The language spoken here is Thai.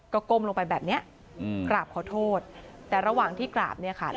ก็ก้มลงไปแบบเนี้ยอืมกราบขอโทษแต่ระหว่างที่กราบเนี่ยค่ะ